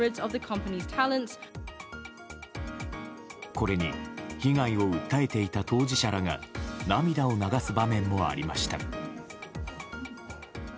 これに被害を訴えていた当事者らが涙を流す場面もありました。